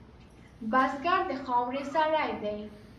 بزګر د خاورې سړی دی